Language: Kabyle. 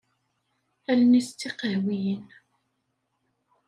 Allen-is d tiqehwiyin.